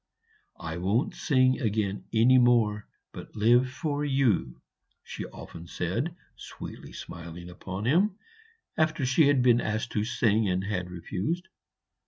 "I won't sing again any more, but live for you," she often said, sweetly smiling upon him, after she had been asked to sing and had refused.